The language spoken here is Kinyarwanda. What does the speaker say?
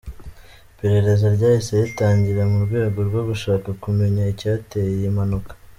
Iperereza ryahise ritangira mu rwego rwo gushaka kumenya icyateye iyi mpanuka.